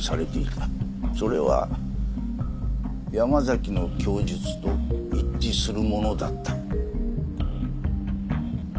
それは山崎の供述と一致するものだった。